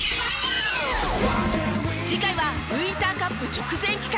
次回はウインターカップ直前企画。